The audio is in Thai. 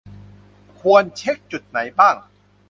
ควรเช็กจุดไหนบ้าง